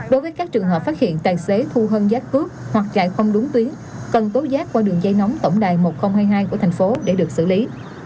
đối với các trường hợp phát hiện tài xế thu hân giác cước hoặc chạy không đúng tuyến cần tố giác qua đường dây nóng tổng đài một nghìn hai mươi hai của thành phố để được xử lý